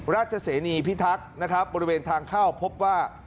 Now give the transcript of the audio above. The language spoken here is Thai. เสนีพิทักษ์นะครับบริเวณทางเข้าพบว่า